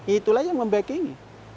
itulah yang membacking